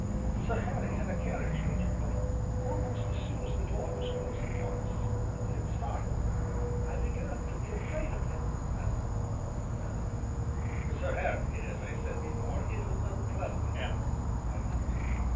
Sir Harry had a carriage waiting, but, almost as soon as the door was closed upon us, and we had started, I began to be afraid of him and and " "Sir Harry, as I said before, is an unpleasant animal," I nodded.